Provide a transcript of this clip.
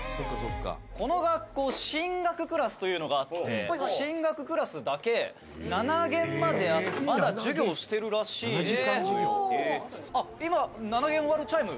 「この学校進学クラスというのがあって進学クラスだけ７限まであってまだ授業してるらしいんですよ」